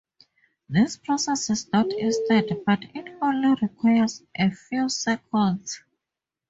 This process is not instant, but it only requires a few seconds.